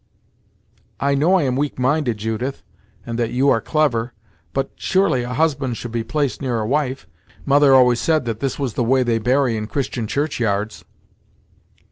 "I know I am weak minded, Judith, and that you are clever but, surely a husband should be placed near a wife. Mother always said that this was the way they bury in Christian churchyards."